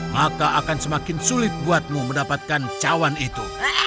maka akan semakin sulit buatmu mendapatkan cawan itu